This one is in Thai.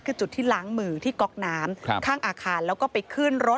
คือจุดที่ล้างมือที่ก็กน้ำข้างอาคาร